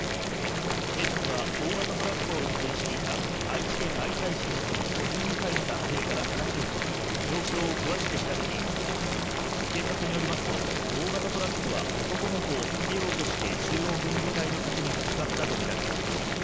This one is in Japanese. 警察は大型トラックを運転していた愛知県愛西市に住む５２歳の男性から話を聞き状況を詳しく調べていますが警察によりますと大型トラックは男の子を避けようとして中央分離帯の柵にぶつかったとみられています。